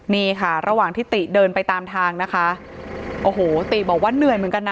นี่ค่ะระหว่างที่ติเดินไปตามทางนะคะโอ้โหติบอกว่าเหนื่อยเหมือนกันนะ